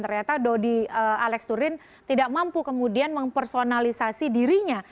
ternyata dodi alex nurin tidak mampu kemudian mempersonalisasi dirinya